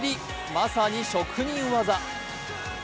まさに職人技。